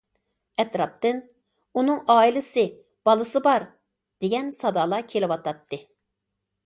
ئەتراپتىن‹‹ ئۇنىڭ ئائىلىسى، بالىسى بار!›› دېگەن سادالار كېلىۋاتاتتى.